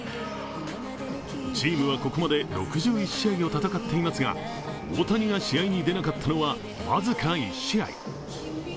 チームはここまで６１試合を戦っていますが大谷が試合に出なかったのは僅か１試合。